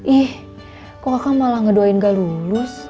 ih kok aku malah ngedoain gak lulus